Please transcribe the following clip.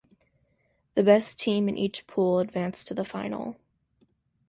The best team in each pool advanced to the final.